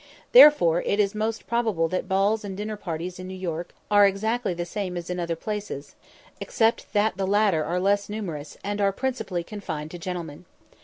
Therefore, it is most probable that balls and dinner parties are in New York exactly the same as in other places, except that the latter are less numerous, and are principally confined to gentlemen.